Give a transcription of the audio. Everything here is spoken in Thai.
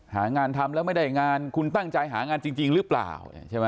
หางานทำแล้วไม่ได้งานคุณตั้งใจหางานจริงหรือเปล่า